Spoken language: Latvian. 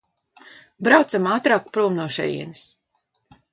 Braucam ātrāk prom no šejienes!